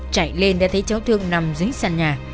chạy lên đã thấy cháu thương nằm dưới sàn nhà